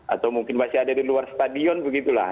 atau mungkin masih ada di luar stadion begitu lah